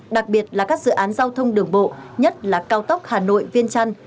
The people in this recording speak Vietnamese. đặc biệt là các dự án giao thông đường bộ nhất là cao tốc hà nội viên trăn